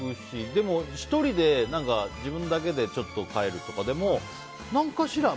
でも、１人で自分だけでちょっと帰るとかでも何かしらは。